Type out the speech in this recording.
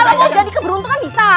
kalau mau jadi keberuntungan bisa